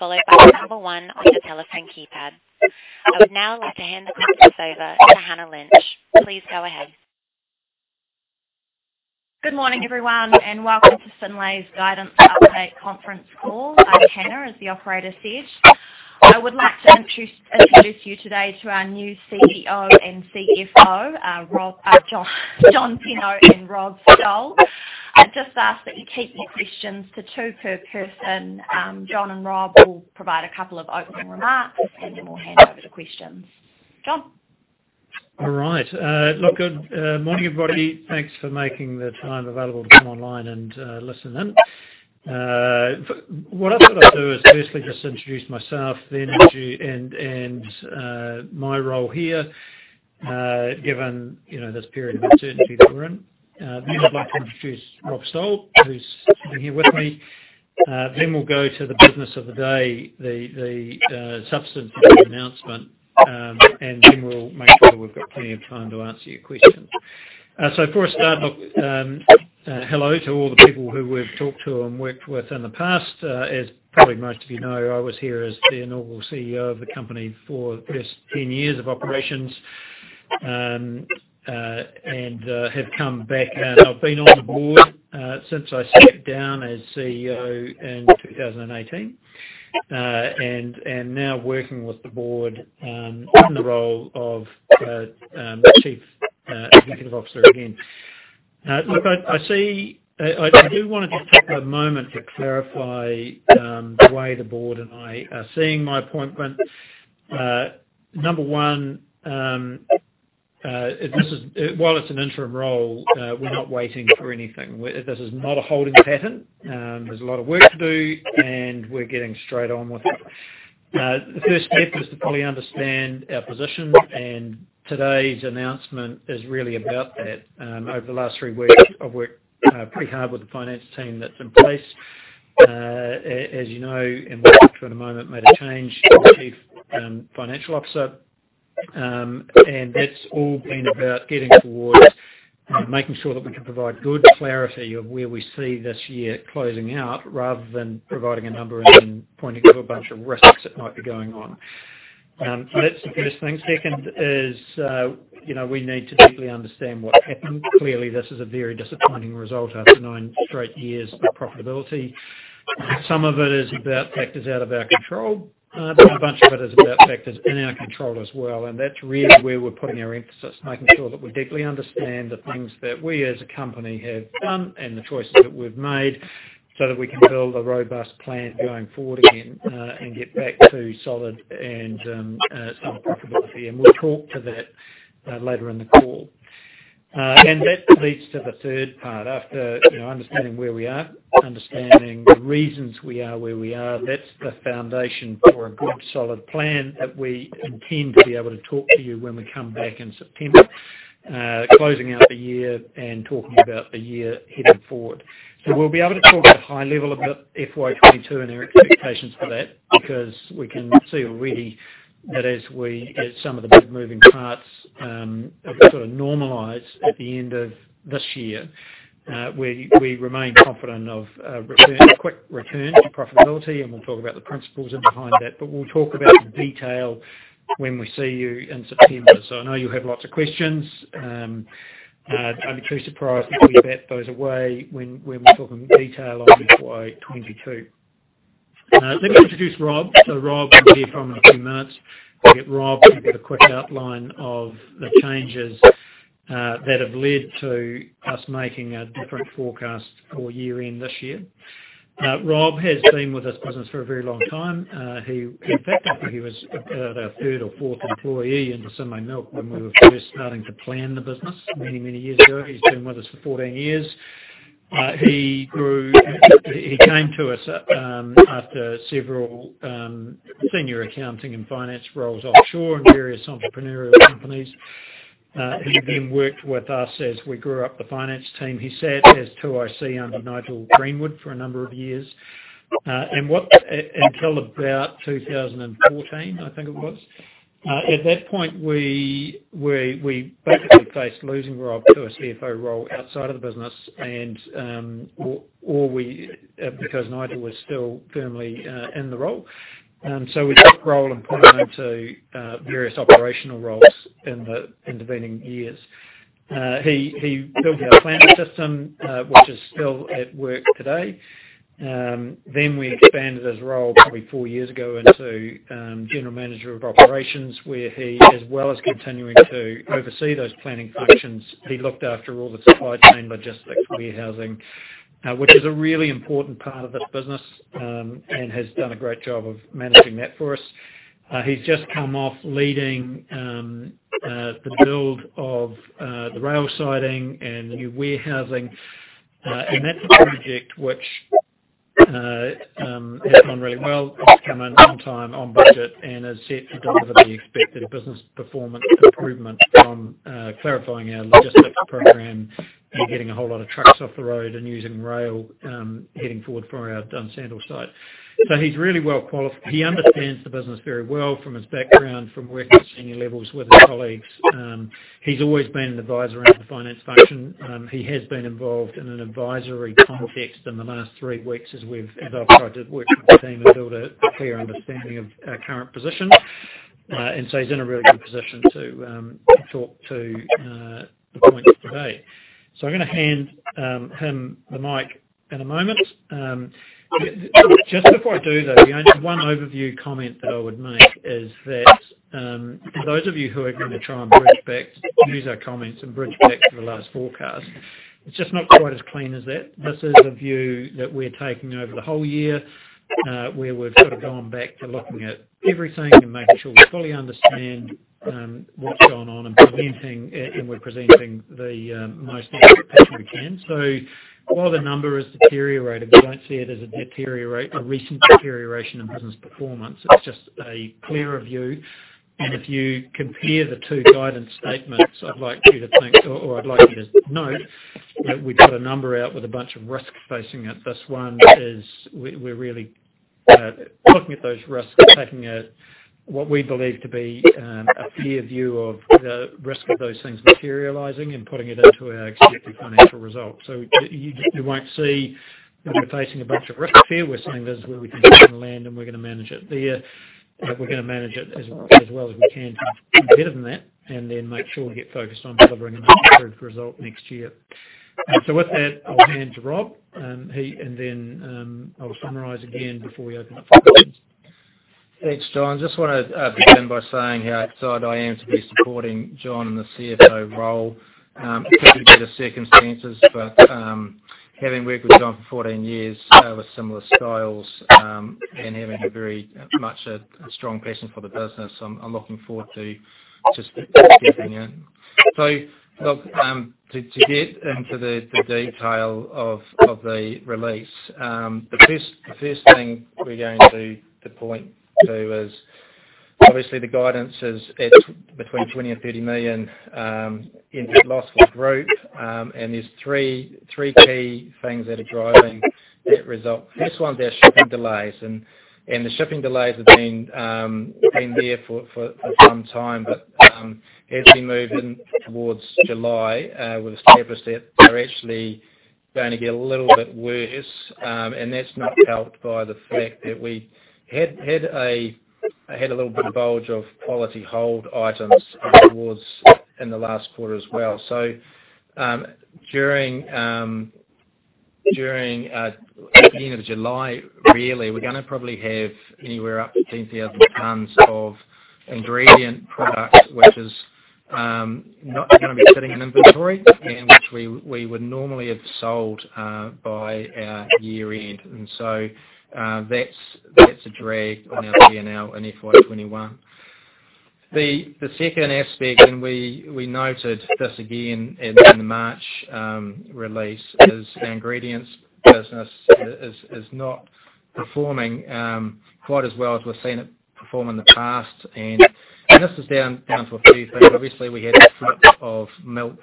I would now like to hand the conference over to Hannah Lynch. Please go ahead. Good morning, everyone, and welcome to Synlait's Guidance Update Conference Call. I'm Hannah, as the operator said. I would like to introduce you today to our new CEO and CFO, John Penno and Rob Stowell. I'd just ask that you keep your questions for two per person. John and Rob will provide a couple of opening remarks, and then we'll hand over to questions. John? All right. Look, good morning, everybody. Thanks for making the time available to come online and listen in. What I'd like to do is firstly just introduce myself, then Rob, and my role here, given this period of uncertainty we're in. I'd like to introduce Rob Stowell, who's here with me. We'll go to the business of the day, the substantive announcement, and then we'll make sure we've got plenty of time to answer your questions. For a start, hello to all the people who we've talked to and worked with in the past. As probably most of you know, I was here as the inaugural CEO of the company for the best 10 years of operations, and have come back. I've been on the board since I stepped down as CEO in 2018, and now working with the board in the role of Chief Executive Officer again. I do want to take a moment to clarify the way the board and I are seeing my appointment. Number one, while it's an interim role, we're not waiting for anything. This is not a holding pattern. There's a lot of work to do, and we're getting straight on with it. The first step is to fully understand our position, and today's announcement is really about that. Over the last three weeks, I've worked pretty hard with the finance team that's in place. As you know, in the last couple of months, made a change to the Chief Financial Officer, and that's all been about getting towards making sure that we can provide good clarity of where we see this year closing out, rather than providing a number and then pointing to a bunch of risks that might be going on. That's the first thing. Second is, we need to deeply understand what happened. Clearly, this is a very disappointing result after nine straight years of profitability. Some of it is about factors out of our control, but a bunch of it is about factors in our control as well, and that's really where we're putting our emphasis, making sure that we deeply understand the things that we as a company have done and the choices that we've made, so that we can build a robust plan going forward and get back to solid and sustainable profitability, and we'll talk to that later in the call. That leads to the third part. After understanding where we are, understanding the reasons we are where we are, that's the foundation for a good, solid plan that we intend to be able to talk to you when we come back in September, closing out the year and talking about the year heading forward. We'll be able to talk at a high level about FY 2022 and our expectations for that, because we can see already that as some of those moving parts sort of normalize at the end of this year, we remain confident of quick return to profitability, and we'll talk about the principles behind that. We'll talk about the detail when we see you in September. I know you'll have lots of questions. Don't be too surprised if we bat those away when we're talking detail on FY 2022. Let me introduce Rob. Rob will be here for another few minutes. I'll get Rob to give a quick outline of the changes that have led to us making a different forecast for year-end this year. Rob has been with this business for a very long time. I think he was about our third or fourth employee into Synlait Milk when we were first starting to plan the business many, many years ago. He's been with us for 14 years. He came to us after several senior accounting and finance roles offshore in various entrepreneurial companies. He worked with us as we grew up the finance team. He sat as 2IC under Nigel Greenwood for a number of years, until about 2014, I think it was. At that point, we basically faced losing Rob to a CFO role outside of the business, because Nigel was still firmly in the role. We took Rob and put him into various operational roles in the intervening years. He built our planning system, which is still at work today. We expanded his role probably four years ago into general manager of operations, where he, as well as continuing to oversee those planning functions, he looked after all the supply chain logistics, warehousing, which is a really important part of this business, and has done a great job of managing that for us. He's just come off leading the build of the rail siding and new warehousing, and that's a project which has gone really well. It's come in on time, on budget, and is set to deliver the expected business performance improvement from clarifying our logistics program and getting a whole lot of trucks off the road and using rail heading forward for our Dunsandel site. He's really well qualified. He understands the business very well from his background, from working at senior levels with his colleagues. He's always been an advisor around the finance function. He has been involved in an advisory context in the last three weeks as I've tried to work with the team to build a clear understanding of our current position. He's in a really good position to talk to the points today. I'm going to hand him the mic in a moment. Just before I do, though, the only one overview comment that I would make is that for those of you who are going to try and bridge back, use our comments and bridge back to the last forecast, it's just not quite as clean as that. This is a view that we're taking over the whole year, where we've gone back to looking at everything to make sure we fully understand what's gone on and presenting, and we're presenting the most accurate picture we can. While the number is deteriorated, we don't see it as a recent deterioration in business performance. It's just a clearer view. If you compare the two guidance statements, I'd like you to think or I'd like you to note that we put a number out with a bunch of risks facing it. This one is we're really looking at those risks, taking what we believe to be a fair view of the risk of those things materializing and putting it into our expected financial results. You won't see that we're facing a bunch of risks there. We're saying this is where we think it's going to land, and we're going to manage it there. We're going to manage it as well as we can to be better than that, and then make sure we get focused on delivering an improved result next year. With that, I'll hand to Rob Stowell, and then I'll summarize again before we open up for questions. Thanks, John Penno. I just want to begin by saying how excited I am to be supporting John Penno in the CFO role, given the circumstances. Having worked with John Penno for 14 years with similar styles, and having a very much a strong passion for the business, I'm looking forward to stepping in. Look, to get into the detail of the release. The first thing we're going to point to is obviously the guidance is between 20 million and 30 million in loss for the group, and there's three key things that are driving that result. First one being shipping delays. The shipping delays have been there for some time, but as we move in towards July with a steer that they're actually going to get a little bit worse, and that's not helped by the fact that we had a little bit of a bulge of quality hold items towards in the last quarter as well. During at the end of July, really, we're going to probably have anywhere up to 10,000 tons of ingredient product, which is going to be sitting in inventory, and which we would normally have sold by our year-end. That's a drag on our P&L in FY 2021. The second aspect, and we noted this again in March release, is the ingredients business is not performing quite as well as we've seen it perform in the past. This is down to a few things. Obviously, we had a flip of milk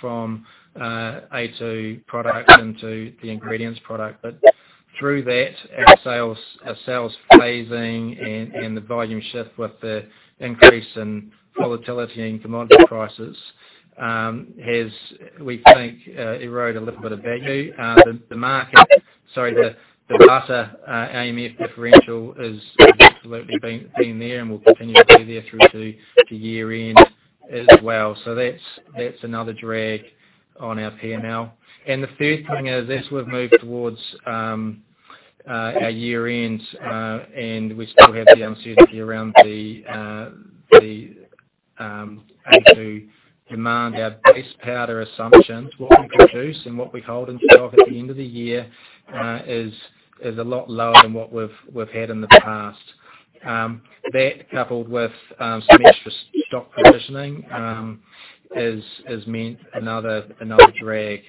from a2 product into the ingredients product. Through that, our sales phasing and the volume shift with the increase in volatility and commodity prices has, we think, eroded a little bit of value. The market, sorry, the butter/AMF differential has absolutely been there and will continue to be there through to the year-end as well. That's another drag on our P&L. The third thing is, as we've moved towards our year-end, and we still have the uncertainty around the a2 demand, our base powder assumption, what we produce and what we hold in stock at the end of the year is a lot lower than what we've had in the past. That, coupled with strategic stock positioning, has meant another drag.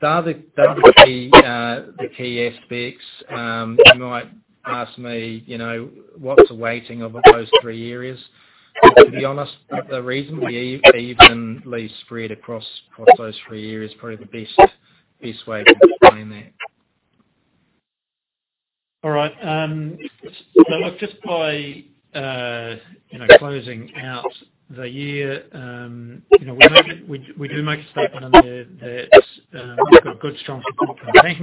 They're the key aspects. You might ask me, what's the weighting of those three areas? To be honest, the reason being evenly spread across those three areas is probably the best way to explain that. All right. Just by closing out the year, we do make a statement in there that we've got good, strong supply.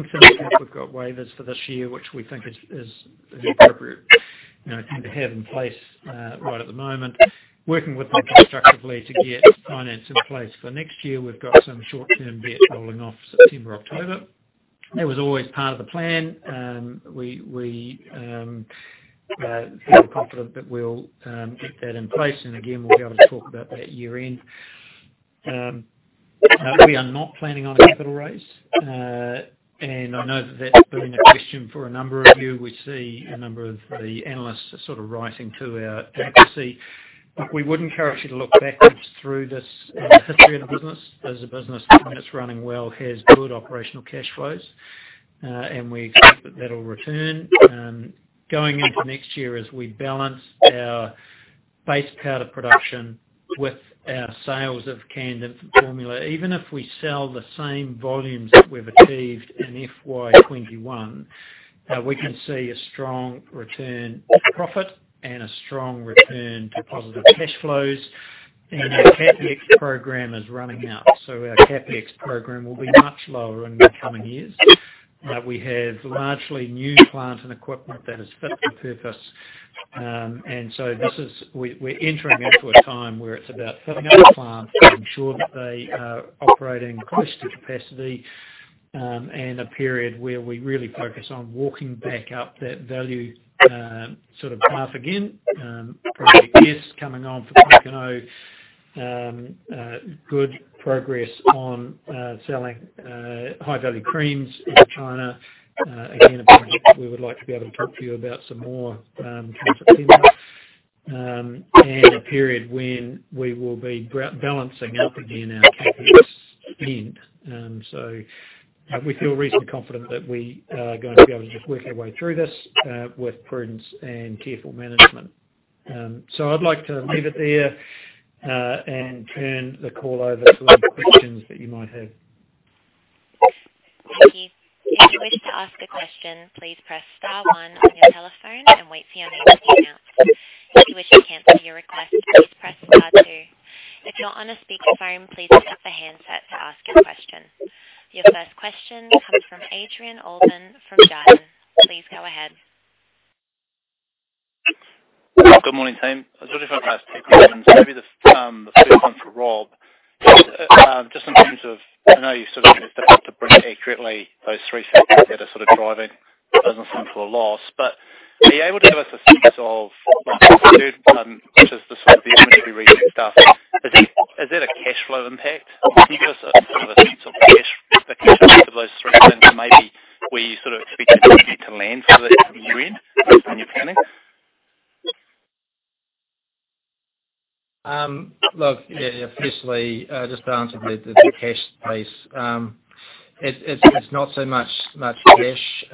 We've got waivers for this year, which we think is appropriate to have in place right at the moment, working with them constructively to get finance in place for next year. We've got some short-term debt rolling off September, October. That was always part of the plan. We feel confident that we'll get that in place. We'll be able to talk about that year-end. We are not planning on a capital raise. I know that that's been a question for a number of you. We see a number of the analysts writing to our. [inaudible] We would encourage you to look backwards through this history of the business. As a business when it's running well, has good operational cash flows, we expect that that'll return. Going into next year as we balance our base powder production with our sales of canned infant formula, even if we sell the same volumes that we've achieved in FY 2021, we can see a strong return to profit and a strong return to positive cash flows. Our CapEx program is running out. Our CapEx program will be much lower in the coming years. We have largely new plant and equipment that is fit for purpose. We're entering into a time where it's about fitting up plants to ensure that they are operating close to capacity, and a period where we really focus on walking back up that value path again. Project S coming on for Pōkeno. Good progress on selling high-value creams in China. Again, a project we would like to be able to talk to you about some more come September. A period when we will be balancing up again our CapEx spend. We feel reasonably confident that we are going to be able to work our way through this, with prudence and careful management. I'd like to leave it there, and turn the call over to any questions that you might have. Thank you. If you wish to ask a question please press star one on your telephone and wait for your turn. If you wish to cancel your request please press star two. If you are on speaker phone please lift your handset to ask a question. The first question comes from Adrian Allbon from Jarden. Please go ahead. Good morning, team. I've just got a couple of items. Maybe this is one for Rob. Just in terms of, I know you said, if I got the arithmetic correctly, those three factors that are driving the business into a loss, are you able to give us a sense of, just the inventory revalue stuff, is that a cash flow impact? Can you give us a sense of the cash implications of those three things and maybe where you expect the business to land for this coming year end, based on your planning? Look, firstly, just to answer the cash piece. It's not so much cash,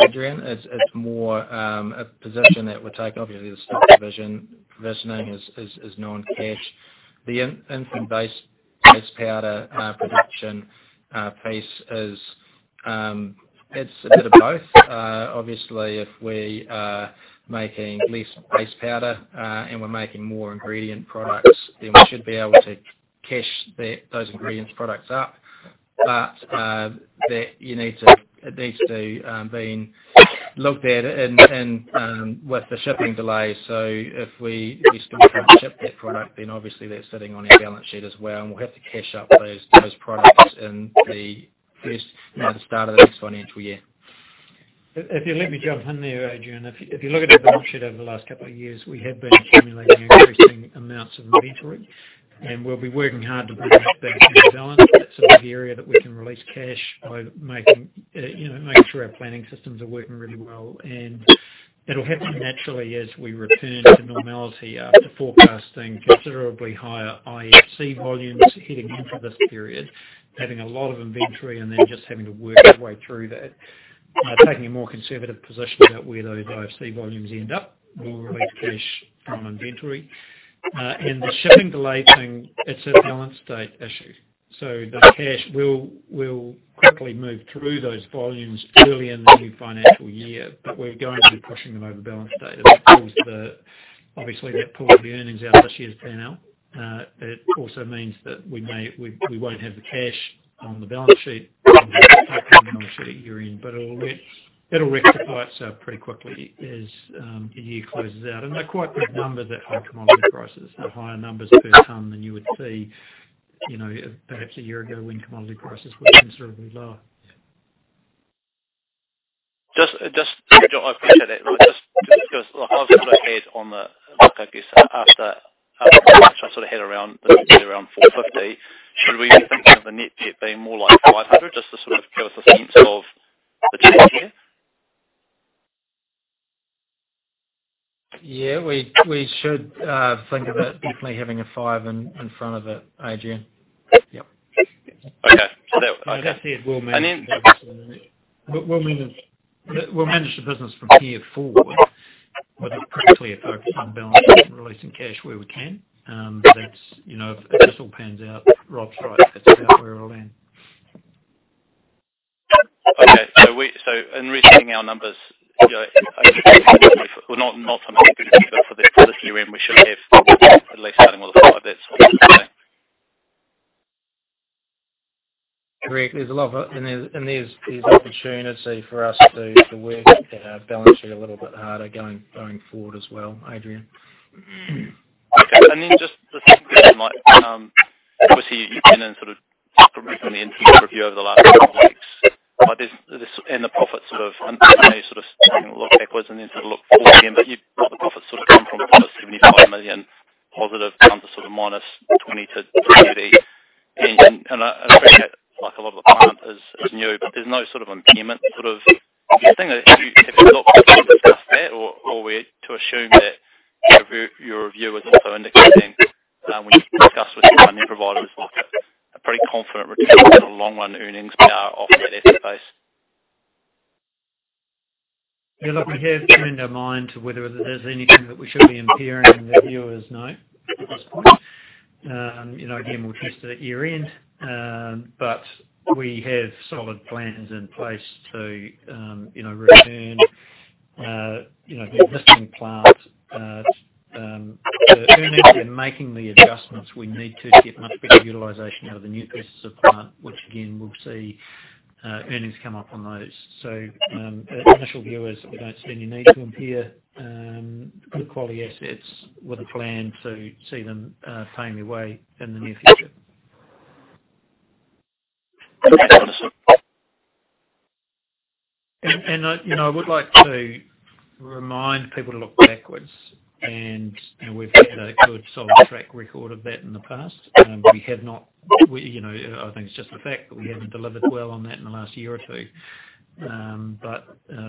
Adrian. It's more a position that we're taking. Obviously, the stock provisioning is non-cash. The infant base powder production piece is a bit of both. Obviously, if we are making less base powder, and we're making more ingredient products, then we should be able to cash those ingredient products up. It needs to be looked at with the shipping delays. If we still can't ship that product, then obviously that's sitting on our balance sheet as well, and we'll have to cash up those products in the first part of this financial year. If you'll let me jump in there, Adrian. If you look at our balance sheet over the last couple of years, we have been accumulating increasing amounts of inventory, and we'll be working hard to bring that back down. That's an area that we can release cash by making sure our planning systems are working really well. It'll happen naturally as we return to normality after forecasting considerably higher IFC volumes heading into this period, adding a lot of inventory, and then just having to work our way through that, taking a more conservative position about where those IFC volumes end up. We'll make cash from inventory. The shipping delay thing, it's a balance date issue. The cash will quickly move through those volumes early in the new financial year, but we're going to be pushing them over the balance date. That caused, obviously, that pull of earnings out last year's P&L. It also means that we won't have the cash on the balance sheet at the current time coming into the year end, but it'll rectify itself pretty quickly as the year closes out. They're quite big numbers at high commodity prices. They're higher numbers per ton than you would see perhaps a year ago when commodity prices were considerably lower. Just to follow up on that, I guess, after March, it would be around 450. Should we think of the net debt being more like 500, just to give us a sense of the debt here? Yeah, we should think of it definitely having a five in front of it, Adrian. Yep. Okay. I guess we'll manage the business from here forward with a pretty clear focus on balance sheet and releasing cash where we can. If this all pans out, Rob's right, that's about where it'll end. Okay. In reaching our numbers, I guess we're not fundamentally predicting, but for the current year end, we should have at least something more like NZD 500 on the balance sheet. There's opportunity for us to work our balance sheet a little bit harder going forward as well, Adrian. Okay. Just looking ahead, obviously you've been in review over the last couple of weeks. The profit, I'm trying to look backwards and then to look forward again. The profit's gone from plus 25 million positive down to -20 million-30 million. I guess there's no imminent thing. Have you stopped the bleed at this point? Are we to assume that your view is also indicating, when you discuss with your lending providers, a pretty confident recovery of the long-run earnings power off the asset base? Look, we have bearing in mind whether there's anything that we should be impairing, the viewer is no. Of course. Again, we'll test that year-end. We have solid plans in place to return the existing plant to earnings and making the adjustments we need to get much better utilization out of the Pōkeno plant, which again, we'll see earnings come up on those. At initial view, we don't see any need to impair good quality assets with a plan to see them find their way in the near future. I would like to remind people to look backwards, and we've had a good solid track record of that in the past. I think it's just the fact that we haven't delivered well on that in the last year or two.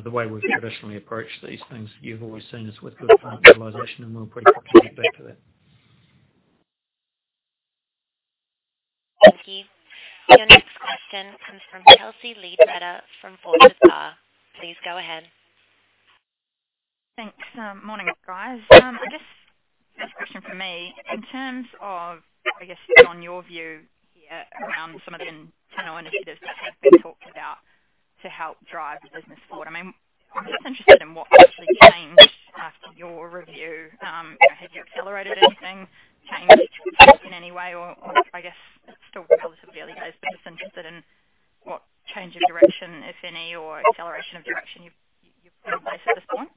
The way we've traditionally approached these things, you've always seen us with good plant utilization, and we'll get it back to that. Thank you. The next question comes from Chelsea Leadbetter from Forsyth Barr. Please go ahead. Thanks. Morning, guys. I guess this question for me, in terms of, on your view here around some of the internal initiatives that have been talked about to help drive the business forward, I'm interested in what has changed after your review. Have you accelerated anything? Changed course in any way? I guess it still holds with the other guys being interested in what change of direction, if any, or acceleration of direction you've placed at this point?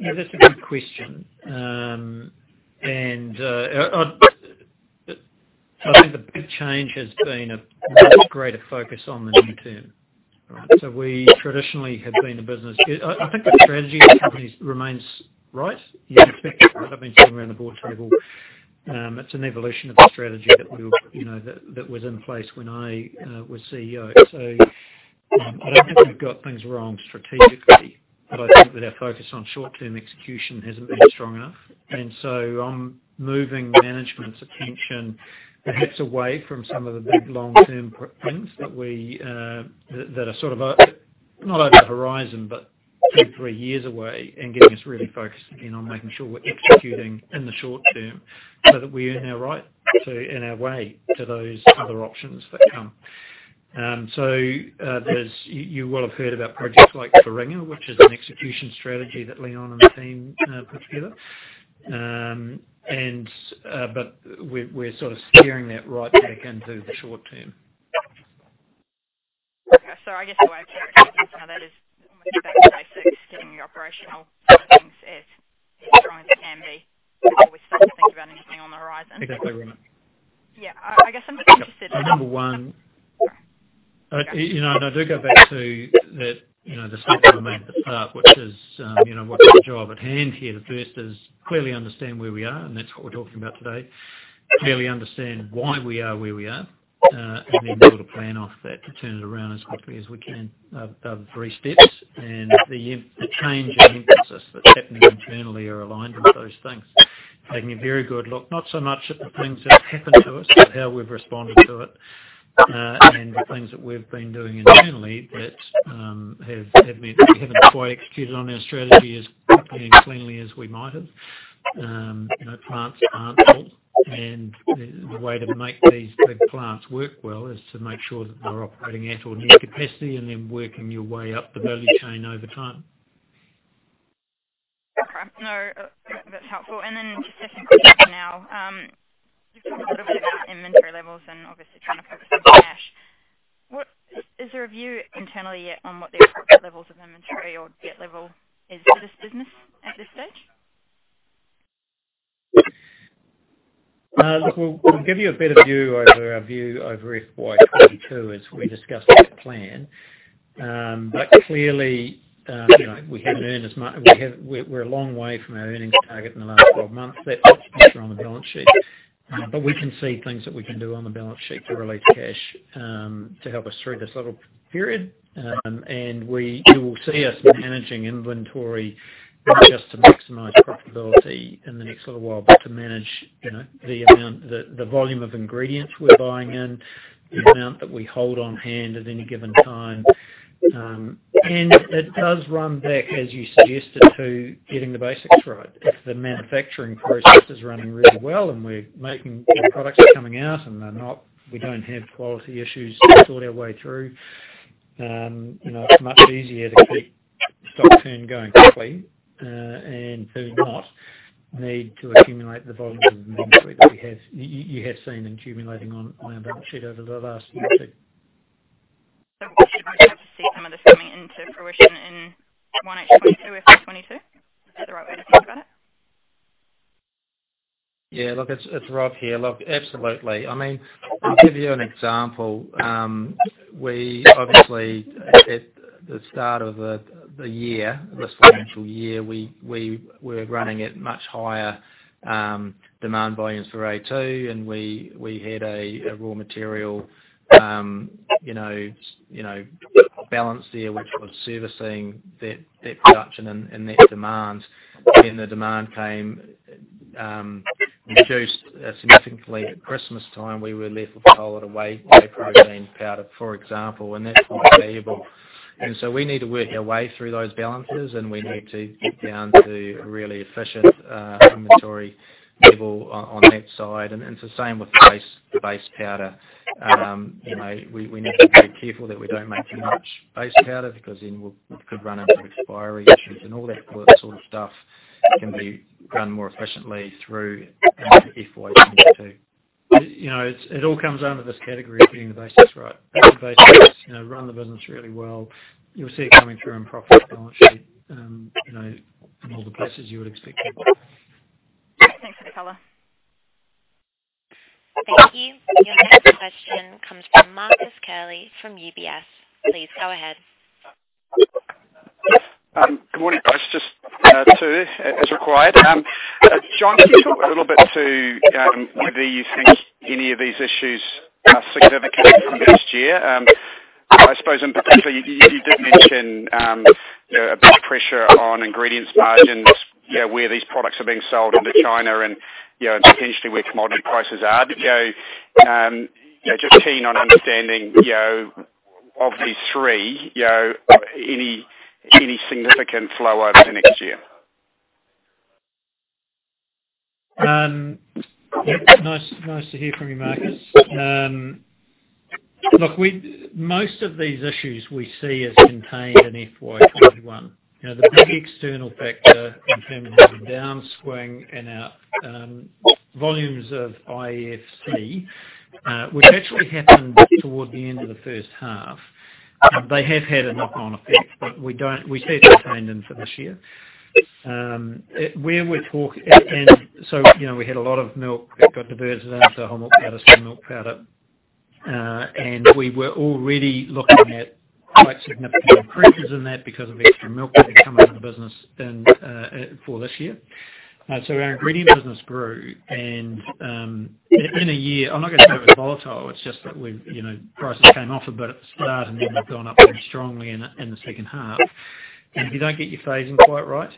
Yeah, that's a good question. I think the big change has been a much greater focus on the near term. We traditionally had been a business. I think the strategy of the company remains right. Yeah. I've been sitting around the board table. It's an evolution of the strategy that was in place when I was CEO. I don't think we've got things wrong strategically, but I think that our focus on short-term execution hasn't been strong enough. I'm moving management's attention perhaps away from some of the big long-term things that are not at the horizon, but two, three years away, and getting us really focused again on making sure we're executing in the short term so that we earn our right, so in our way to those other options that come. You will have heard about projects like Karinga, which is an execution strategy that Leon and the team put together. We're steering that right back into the short term. I guess the word there in some of that is more getting back to basics, keeping your operational things as strong as it can be before we start to think about anything on the horizon. Exactly right. Yeah. Number one, I do go back to that the site of the Pōkeno plant, which is what's the job at hand here. The first is clearly understand where we are, that's what we're talking about today. Clearly understand why we are where we are, then build a plan off that to turn it around as quickly as we can. Three steps, the change in emphasis that's happening internally are aligned with those things. Had a very good look, not so much at the things that have happened to us, how we've responded to it, the things that we've been doing internally that haven't quite executed on our strategy as cleanly as we might have. Plants aren't built. The way to make these big plants work well is to make sure that they're operating at or near capacity and then working your way up the value chain over time. No, that's helpful. Just a second question now. Just a little bit about inventory levels and obviously trying to focus on cash. Is there a view internally yet on what the appropriate levels of inventory or debt level is for this business at this stage? Look, we'll give you a better view over our FY 2022 as we discuss that plan. Clearly, we're a long way from our earnings target in the last 12 months. That's mostly on the balance sheet. We can see things that we can do on the balance sheet to release cash, to help us through this odd period. You will see us managing inventory not just to maximize profitability in the next little while, but to manage the volume of ingredients we're buying in, the amount that we hold on hand at any given time. It does run back, as you suggested, to getting the basics right. If the manufacturing process is running really well and products are coming out and we don't have quality issues to sort our way through, it's much easier to keep stock turn going quickly, and do not need to accumulate the volumes of inventory that you have seen accumulating on our balance sheet over the last year or two. What should I perhaps see coming into fruition in FY 2022? Is that a right way to think of it? Yeah, look, it's Rob here. Absolutely. I'll give you an example. We obviously, at the start of the year, this financial year, we're running at much higher demand volumes for a2, and we had a raw material balance there which was servicing that production and that demand. The demand came reduced significantly at Christmas time. We were left with powdered whey protein powder, for example. That's not valuable. We need to work our way through those balances. We need to get down to a really efficient inventory level on that side. It's the same with base powder. We need to be careful that we don't make too much base powder because then we could run into expiry issues. All that sort of stuff can be run more efficiently through our FY 2022. It all comes under this category of getting the basics right. Get the basics, run the business really well, you'll see it coming through in Profit and Loss sheet from all the places you would expect it. Thanks so much. Thank you. The next question comes from Marcus Curley from UBS. Please go ahead. Good morning, guys. Just two if required. John, can you talk a little bit to whether you think any of these issues are sort of carrying from this year? I suppose, and potentially, you did mention a bit of pressure on ingredients margins, where these products are being sold into China and potentially where commodity prices are. Just keen on understanding, of these three, any significant flow over to next year. Nice to hear from you, Marcus. Look, most of these issues we see as contained in FY 2021. The big external factor in terms of the downswing in our volumes of IFC, which actually happened toward the end of the first half. They have had an ongoing effect, but we did just land them for this year. We had a lot of milk converted into whole milk powder, skim milk powder, and we were already looking at quite significant increases in that because of the extra milk that had come into the business for this year. Our ingredients business grew, and in a year, I'm not going to say volatile, it's just that prices came off a bit at the start and then they've gone up very strongly in the second half. If you don't get your phasing quite right,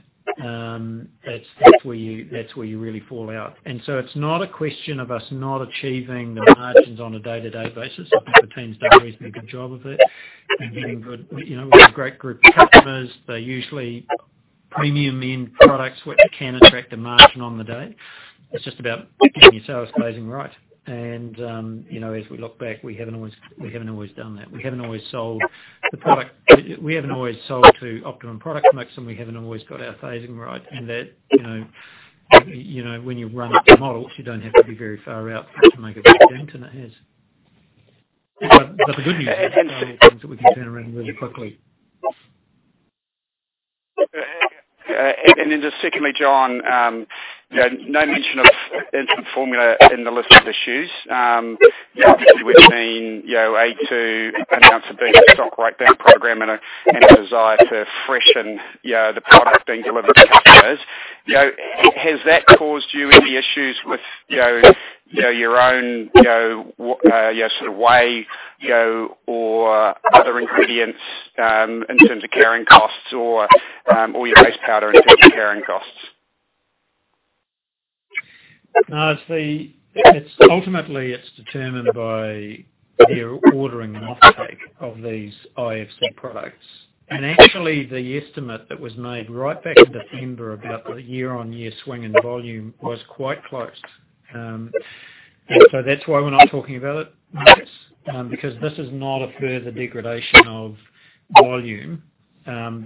that's where you really fall out. It's not a question of us not achieving margins on a day-to-day basis. The teams do a reasonably good job of it. We've got a great group of customers. They're usually premium-end products, which can attract a margin on the day. It's just about getting your sales phasing right. As we look back, we haven't always done that. We haven't always sold to optimum product mix, and we haven't always got our phasing right. When you run at full tilt, you don't have to be very far out to make a big dent, and it is. The good news is that these are things that we can turn around really quickly. Just secondly, John, no mention of infant formula in the list of issues. Obviously, we've seen a2 announce a big stock buyback program and a desire to freshen the product being delivered to customers. Has that caused you any issues with your own whey or other ingredients in terms of carrying costs or your base powder in terms of carrying costs? No. Ultimately, it's determined by their ordering and off take of these IFC products. Actually, the estimate that was made right back in December about the year on year swing in volume was quite close. That's why we're not talking about it, Marcus, because this is not a further degradation of volume. Also,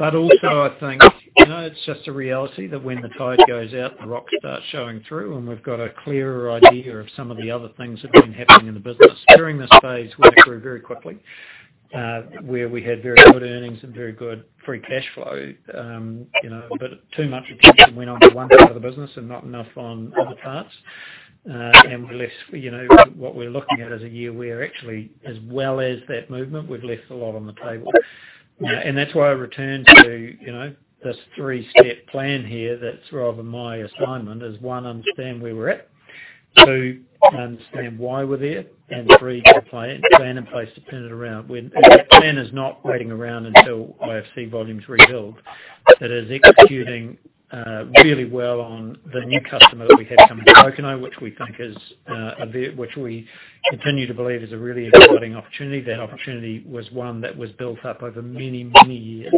I think it's just a reality that when the tide goes out, the rocks start showing through, and we've got a clearer idea of some of the other things that have been happening in the business during this phase we're through very quickly, where we had very good earnings and very good free cash flow. Too much attention went on to one part of the business and not enough on other parts. What we're looking at is a year where actually as well as that movement, we've left a lot on the table. That's why I return to this three-step plan here that's rather my assignment is, one, understand where we're at, two, understand why we're there, and three, the plan in place to pin it around. That plan is not waiting around until IFC volumes rebuild. It is executing really well on the new customer that we have coming in, Pōkeno, which we continue to believe is a really exciting opportunity. That opportunity was one that was built up over many, many years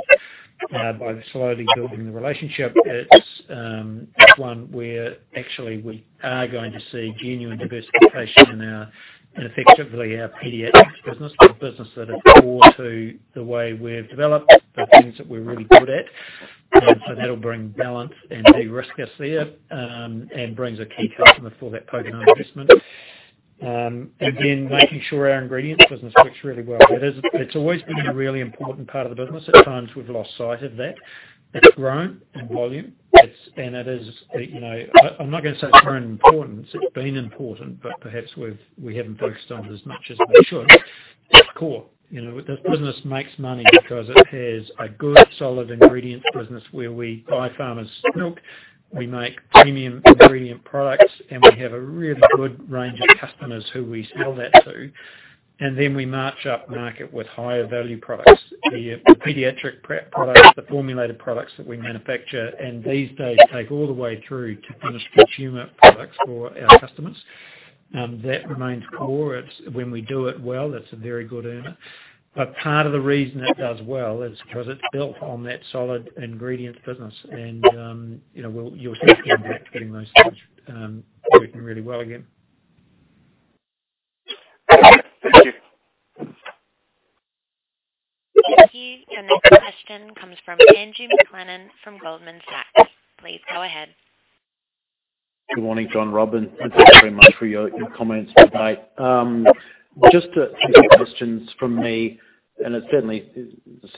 by slowly building the relationship. It's one where actually we are going to see genuine diversification in effectively our pediatric business. It's a business that is core to the way we've developed. It's a business that we're really good at, and so that'll bring balance and de-risk us there and brings a key customer for that Pōkeno adjustment. Making sure our ingredients business works really well. It's always been a really important part of the business. At times, we've lost sight of that. It's grown in volume. I'm not going to say it's grown in importance. It's been important, but perhaps we haven't focused on it as much as we should. It's core. The business makes money because it has a good, solid ingredient business where we buy farmers' milk. We make premium ingredient products, and we have a really good range of customers who we sell that to. Then we march upmarket with higher value products via the pediatric prep products, the formulated products that we manufacture, and these days take all the way through to finished consumer products for our customers. That remains core. When we do it well, that's a very good earner. Part of the reason it does well is because it's built on that solid ingredients business, and you'll see over the next few months that's working really well again. Thank you. Your next question comes from Nilesh Makwana from Goldman Sachs. Please go ahead. Good morning, John, Rob, and thanks very much for your comments today. Just a couple questions from me, and it certainly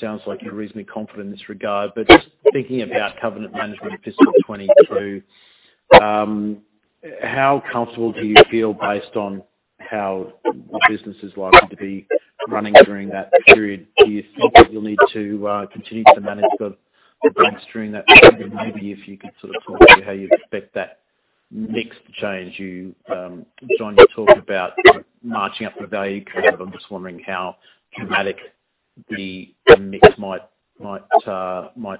sounds like you're reasonably confident in this regard, but just thinking about covenant management fiscal 2022, how comfortable do you feel based on how the business is likely to be running during that period? Do you think that you'll need to continue to manage the banks during that period? Maybe if you could talk through how you expect that mix to change. John, you talked about marching up the value chain, but I'm just wondering how dramatic the mix might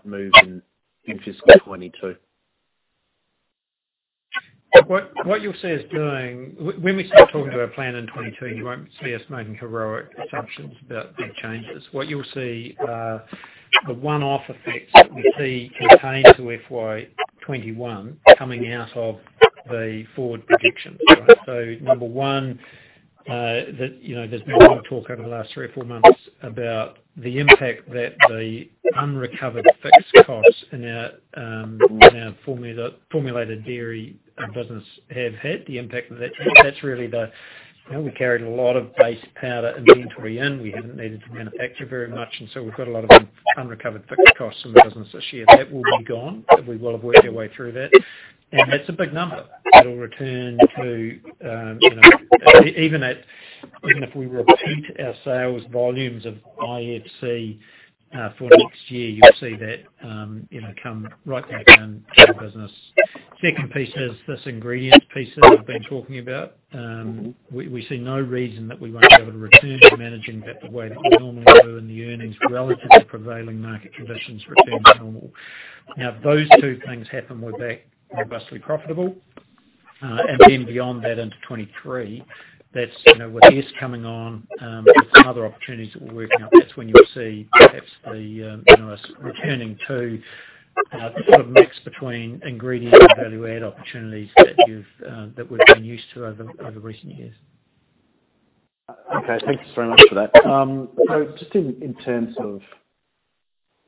move in fiscal 2022. What you'll see us doing, when we start talking about planning 2022, you won't see us making heroic assumptions about big changes. What you'll see are the one-off effects that we see contained to FY 2021 coming out of the forward projections. Number one, there's been a lot of talk over the last three or four months about the impact that the unrecovered fixed costs in our formulated dairy business have had, the impact that's had. We carried a lot of base powder inventory in. We haven't needed to manufacture very much, and so we've got a lot of unrecovered fixed costs in the business this year. That will be gone, as we will have worked our way through that, and that's a big number. Even if we repeat our sales volumes of IFC for next year, you'll see that come right back into the business. Second piece is this ingredient piece that we've been talking about. We see no reason that we won't be able to return to managing that the way that we normally do in the earnings relative to prevailing market conditions returning to normal. If those two things happen, we're back robustly profitable. Beyond that into FY 2023, that's with this coming on and some other opportunities that we're working on, that's when you'll see perhaps us returning to the sort of mix between ingredient and value-add opportunities that we've been used to over recent years. Okay. Thank you very much for that. Just in terms of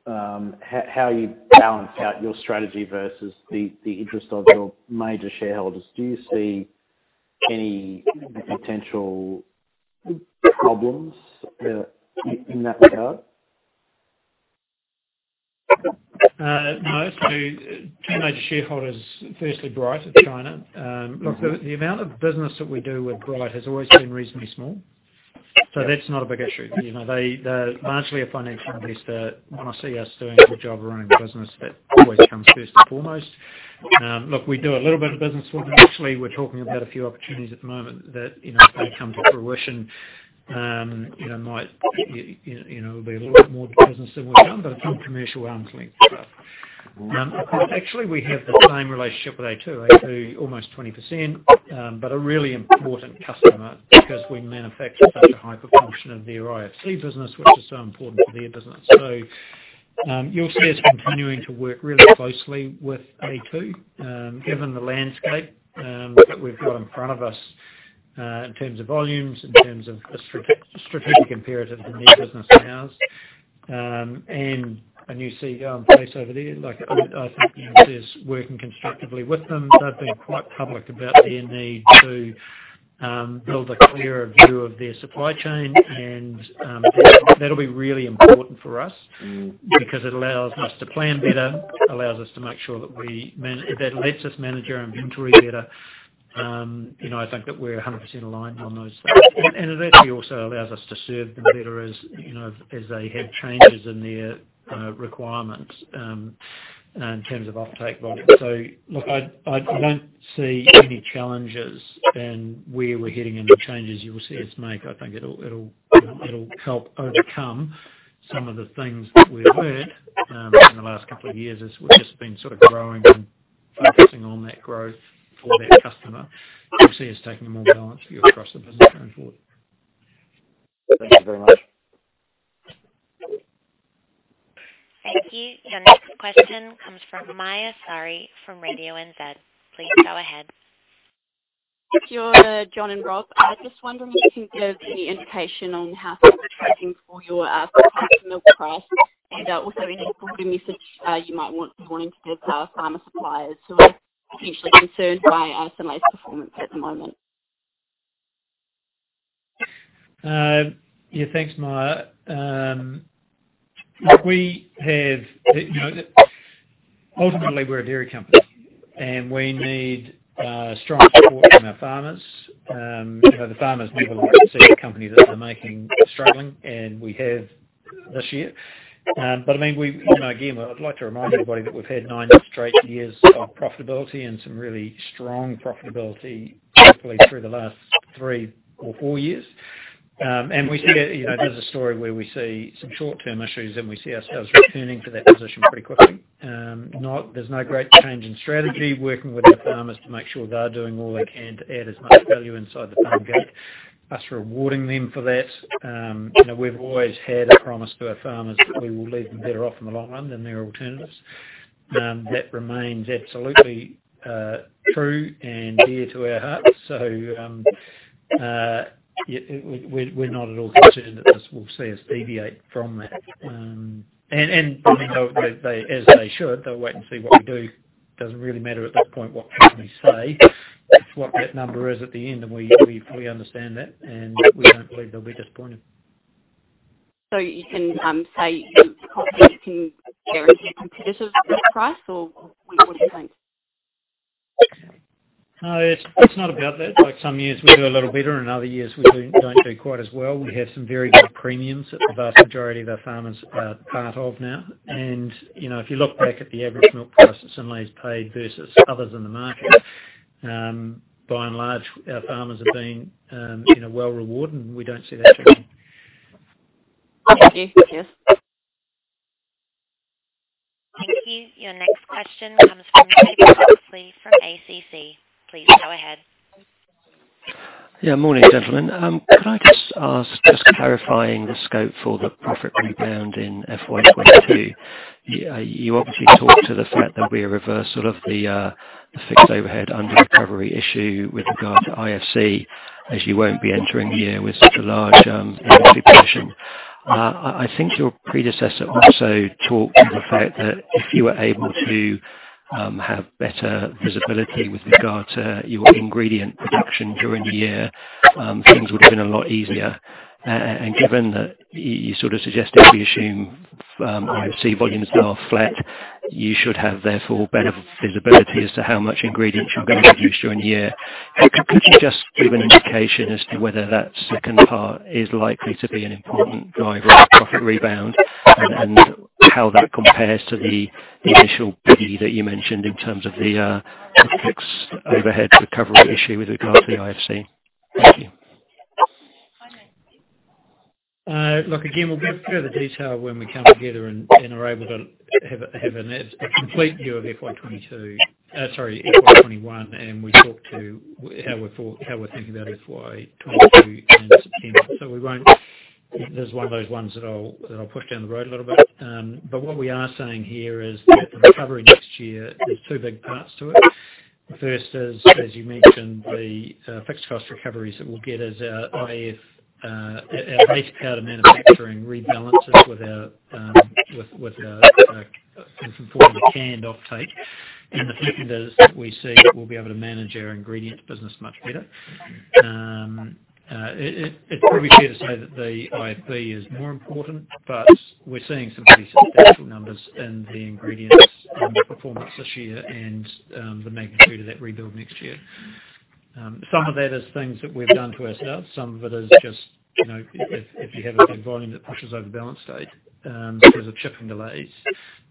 how you balance out your strategy versus the interest of your major shareholders, do you see any potential problems in that regard? No. Two major shareholders, firstly Bright in China. The amount of business that we do with Bright has always been reasonably small, so that's not a big issue. They're largely a financial investor, want to see us doing a good job around the business. That always comes first and foremost. We do a little bit of business with them. We're talking about a few opportunities at the moment that, if they come to fruition, there'll be a lot more business than we've done, but on commercial arm's length stuff. We have the same relationship with a2. a2 are almost 20%, but a really important customer because we manufacture such a high proportion of their IFC business, which is so important for their business. You'll see us continuing to work really closely with a2, given the landscape that we've got in front of us in terms of volumes, in terms of us strictly competitive in their business to ours. You see, [inaudible] I think you'll see us working constructively with them. They've been quite public about their need to build a clearer view of their supply chain, and that'll be really important for us because it allows us to plan better, it lets us manage our inventory better. I think that we're 100% aligned on those. It actually also allows us to serve them better as they have changes in their requirements in terms of offtake volume. Look, I don't see any challenges in where we're heading. Any changes you'll see us make, I think it'll help overcome some of the things that we've learned in the last couple of years as we've just been growing and focusing on that growth for that customer. You'll see us taking a more balanced view across the business going forward. Thank you very much. Thank you. Your next question comes from Maya Sari from Radio NZ. Please go ahead. [inaudible] John and Rob. I just wonder if you can give the indication on how things are tracking for your commercial price, and also if you can give me a suggestion on you might want to give our farmer suppliers to potentially concern by our farmer performance at the moment. Yeah. Thanks, Maya. Ultimately, we're a dairy company, and we need strong support from our farmers. The farmers maybe want to see companies that are struggling, and we have this year. Again, I'd like to remind everybody that we've had nine straight years of profitability and some really strong profitability, hopefully through the last three or four years. This is a story where we see some short-term issues, and we see ourselves returning to that position pretty quickly. There's no great change in strategy, working with our farmers to make sure they're doing all they can to add as much value inside the farm gate, us rewarding them for that. We've always had a promise to our farmers that we will leave them better off in the long run than their alternatives. That remains absolutely true and dear to our hearts. We're not at all concerned that this will see us deviate from that. As they should, they'll wait and see what we do. Doesn't really matter at this point what companies say. It's what that number is at the end, and we understand that, and we don't believe they'll be disappointed. You can say with confidence you carry your competitors with price or what do you think? No, it's not about that. Some years we do a little better, and other years we don't do quite as well. We have some very good premiums that the vast majority of our farmers part of now. If you look back at the average milk price that Synlait's paid versus others in the market, by and large, our farmers are being well rewarded, and we don't see that changing. Thank you. Thank you. Your next question comes from David Jeffrey from ACC. Please go ahead. Morning, gentlemen. Could I just ask, just clarifying the scope for the profit rebound in FY 2022? You obviously talked to the fact there'll be a reversal of the fixed overhead under-recovery issue with regard to IFC, as you won't be entering the year with such a large position. I think your predecessor also talked to the fact that if you were able to have better visibility with regard to your ingredient production during the year, things would've been a lot easier. Given that you sort of suggested we assume IFC volumes are flat, you should have therefore better visibility as to how much ingredient you'll be able to produce during the year. Could you just give an indication as to whether that second part is likely to be an important driver of profit rebound, and how that compares to the initial piece that you mentioned in terms of the fixed overhead recovery issue with regard to the IFC? Thank you. Again, we'll give further detail when we come together and are able to have a complete view of FY 2021, and we talk to how we're thinking about FY 2022 in September. There's one of those ones that I'll push down the road a little bit. What we are saying here is that the recovery next year, there's two big parts to it. The first is, as you mentioned, the fixed cost recoveries that we'll get as our base powder manufacturing rebalances with our formerly contracted offtake. The second is we think we'll be able to manage our ingredient business much better. It's probably fair to say that the IFC is more important, but we're seeing some decent actual numbers in the ingredients performance this year and the magnitude of that rebuild next year. Some of that is things that we've done to ourselves. Some of it is just if you have a good volume that pushes over balance date because of shipping delays,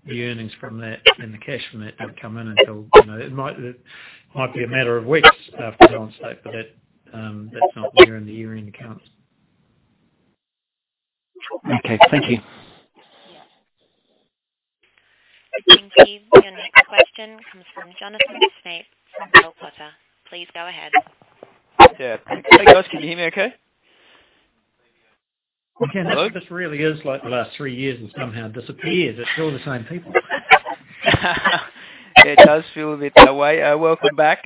the earnings from that and the cash from that don't come in until, it might be a matter of weeks after balance date, but that's not there in the year-end accounts. Okay. Thank you. Thank you. The next question comes from Jonathan Snape from Bell Potter. Please go ahead. Yeah. Can you hear me okay? Hello. It just really is like the last three years have somehow disappeared, but still the same people. It does feel a bit that way. Welcome back.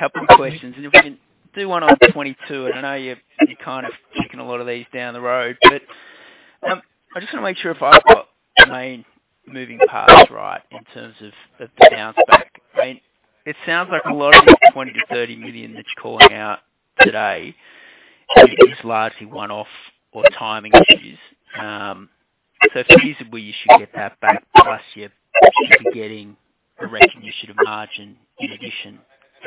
Just a couple of questions. If we can do one on FY 2022. I know you're kind of kicking a lot of these down the road. I just want to make sure if I've got the main moving parts right in terms of the bounce back. It sounds like a lot of that 20 million-30 million that you're calling out today is largely one-off or timing issues. It's feasible you should get that back, plus you should be getting a recognition of margin in addition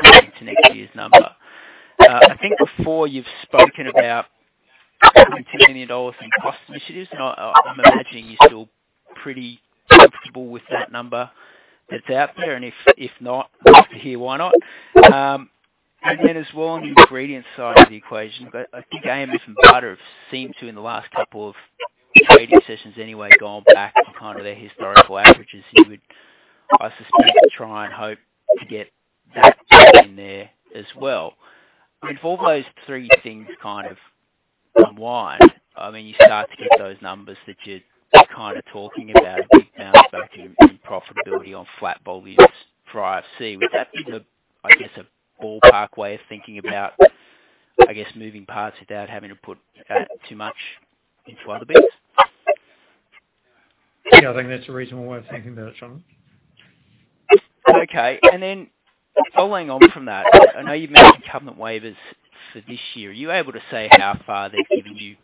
into next year's number. I think before you've spoken about NZD 70 million in cost initiatives. I'm assuming you're still pretty comfortable with that number that's out there, and if not, love to hear why not. Then as well, on the ingredient side of the equation, I think AMF and butter have seemed to, in the last couple of media sessions anyway, gone back to kind of their historic averages. You would, I suspect, try and hope to get that back in there as well. If all those three things kind of align, you start to get those numbers that you're kind of talking about in terms of profitability on flat volumes for IFC. Would that be the, I guess, a ballpark way of thinking about moving parts without having to put too much into other bits? Yeah, I think that's a reasonable way of thinking about it, John. Okay. Following on from that, I know you mentioned covenant waivers for this year. Are you able to say how far they've given you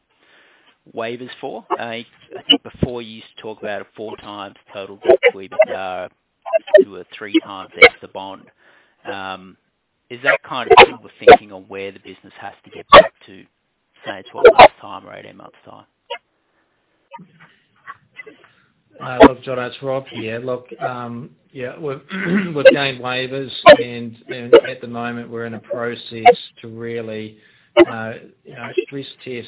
waivers for? I think before you used to talk about it four times total that the waivers are. To a 3x EBITDA bond. Is that kind of your thinking on where the business has to get back to, say, 12 months' time, 18 months' time? Look, John, it's Rob here. Look, yeah, we've gained waivers, and at the moment, we're in a process to really risk test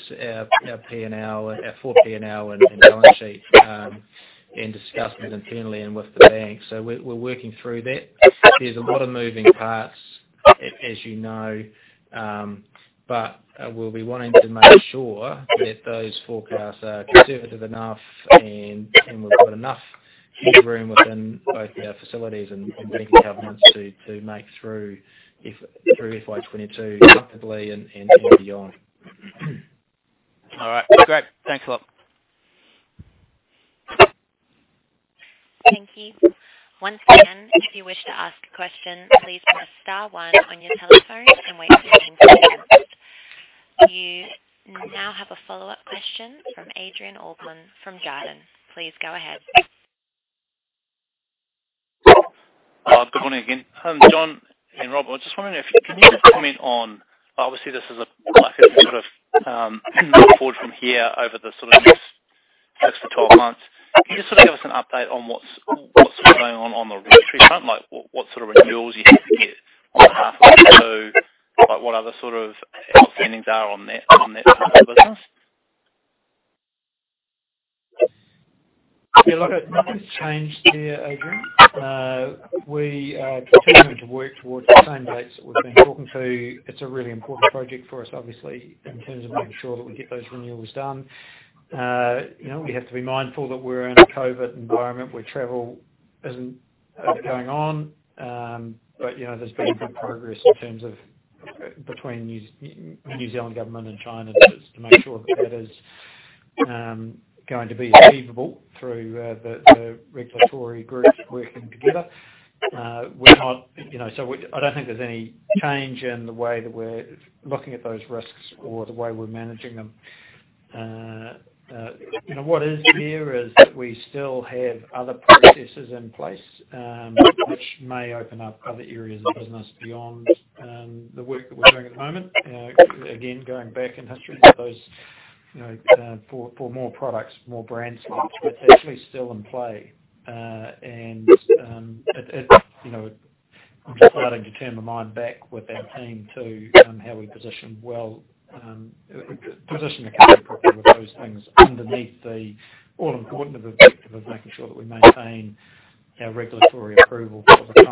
our P&L, our full P&L and balance sheet, and discuss it internally and with the bank. We're working through that. There's a lot of moving parts, as you know, but we'll be wanting to make sure that those forecasts are conservative enough, and we've got enough headroom within both our facilities and banking covenants to make through FY 2022 comfortably and into the beyond. All right. Great. Thanks a lot. Thank you. One second. If you wish to ask a question please press star one on your telephone. [inaudible] You now have a follow-up question from Adrian Allbon from Jarden. Please go ahead. Good morning again. John and Rob, I just want to know if you can give a comment on, obviously this is a sort of look forward from here over the next perhaps the 12 months. Can you just give us an update on what's going on the, [inaudible] like what sort of renewals you have to get, [inaudible] what are the sort of outstanding data on that part of the business? Yeah, look, nothing's changed there, Adrian. We are continuing to work towards the same dates that we've been talking to. It's a really important project for us, obviously, in terms of making sure that we get those renewals done. We have to be mindful that we're in a COVID environment where travel isn't going on. There's been good progress in terms of between the New Zealand Government and China just to make sure that that is going to be achievable through the regulatory groups working together. I don't think there's any change in the way that we're looking at those risks or the way we're managing them. What is new is that we still have other processes in place, which may open up other areas of business beyond the work that we're doing at the moment. Again, going back in history to those for more products, more brand slots, that's actually still in play. I'm starting to turn my mind back with our team to how we position category properly with those things underneath the all-important objective of making sure that we maintain our regulatory approval for the. [inaudible]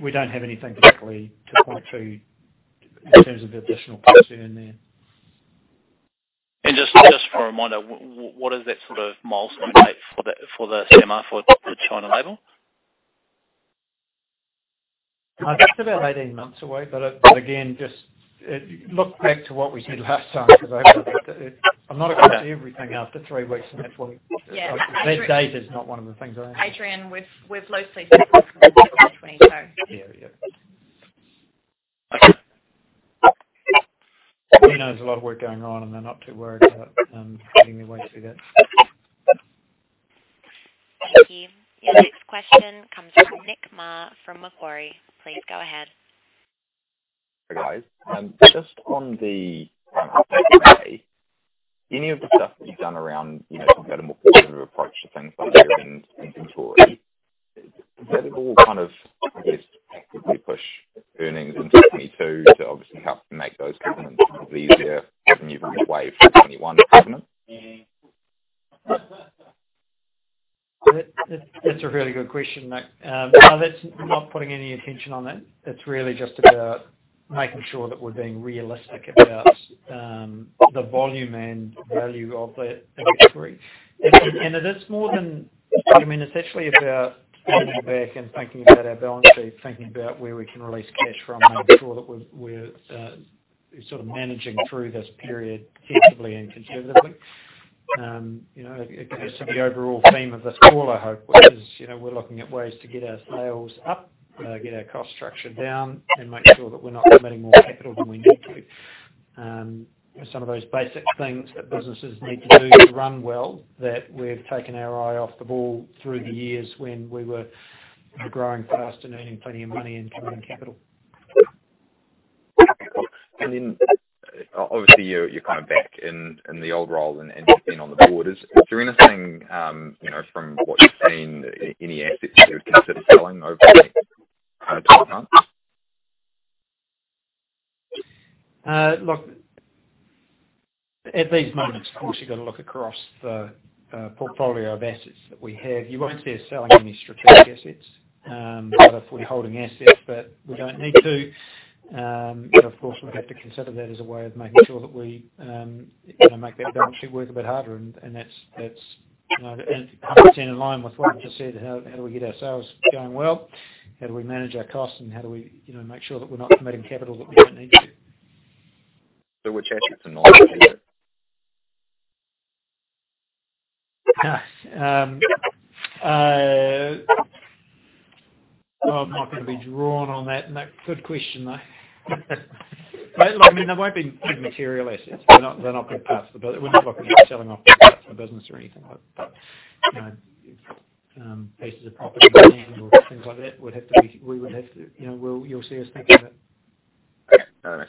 We don't have anything particularly to point to in terms of additional concern there. Just for a reminder, what is that sort of milestone date for the SAMR for the China label? It's about 18 months away. Again, just look back to what we said last time, because I'm not going to put everything out there three weeks from the point. That date is not one of the things I am. Adrian, we've loosely got between two and three. Yeah. He knows a lot of work going on, and they're not too worried about. [inaudible] Thank you. Your next question comes from Nick Mar from Macquarie. Please go ahead. Hi, guys. Just on the update today, any of the stuff that you've done around having a more conservative approach to things like inventory, is that all to, I guess, effectively push earnings in FY 2022 to obviously help make those covenants a little bit easier when you remove the waiver for the FY 2021 covenants? That's a really good question, Nick. No, that's not putting any attention on that. It's really just about making sure that we're being realistic about the volume and value of that inventory. It's actually about looking back and thinking about our balance sheet, thinking about where we can release cash from, making sure that we're sort of managing through this period carefully and conservatively. I guess the overall theme of this call, I hope, is we're looking at ways to get our sales up, get our cost structure down, and make sure that we're not committing more capital than we need to. Some of those basic things that businesses need to do to run well, that we've taken our eye off the ball through the years when we were growing fast and earning plenty of money and committing capital. Cool. Obviously, you're back in the old role and focusing on the borders. Is there anything, from what you've seen, any assets you would consider selling over the coming 12 months? Look, at these moments, of course, you've got to look across the portfolio of assets that we have. You won't see us selling any strategic assets, whether if we're holding assets that we don't need to. Of course, we have to consider that as a way of making sure that we make that balance sheet work a bit harder, and that's 100% in line with what you said, how do we get our sales going well, how do we manage our costs, and how do we make sure that we're not committing capital that we don't need to. Which assets are not strategic? Gosh. Well, I'm not going to be drawn on that, Nick. Good question, though. They won't be big, material assets. We're not going to be selling off parts of the business or anything like that. Pieces of property or things like that, you'll see us making it. All right.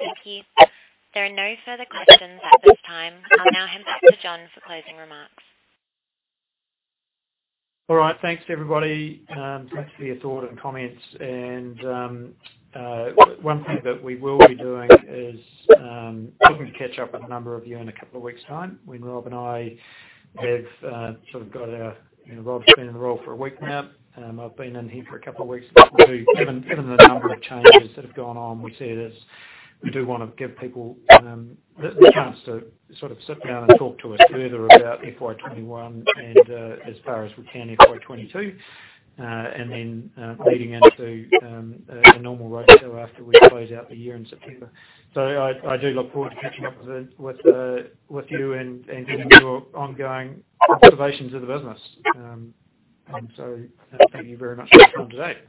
Thank you. There are no further questions at this time. We will now hand back to John for closing remarks. All right. Thanks, everybody. Thanks for your thought and comments. One thing that we will be doing is looking to catch up with a number of you in a couple of weeks' time. Rob's been in the role for a week now, and I've been in here for a couple of weeks. Given the number of changes that have gone on, we said we do want to give people the chance to sit down and talk to us further about FY 2021 and as far as we can, FY 2022, then leading into a normal roadshow after we close out the year in September. I do look forward to catching up with you and getting your ongoing observations of the business. Thank you very much for your time today.